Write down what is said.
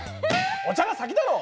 お茶が先だろ！